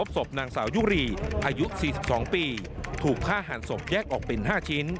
ศพนางสาวยุรีอายุ๔๒ปีถูกฆ่าหันศพแยกออกเป็น๕ชิ้น